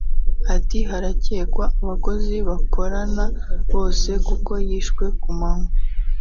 Ati “Haracyekwa abakozi bakorana bose kuko yishwe ku manywa